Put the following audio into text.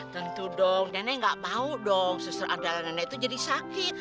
tentu dong nenek gak mau seserandalah nenek jadi sakit